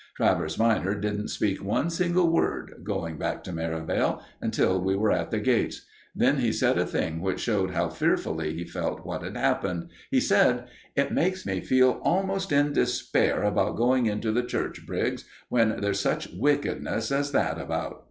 Travers minor didn't speak one single word, going back to Merivale, until we were at the gates; then he said a thing which showed how fearfully he felt what had happened. He said: "It makes me feel almost in despair about going into the Church, Briggs, when there's such wickedness as that about."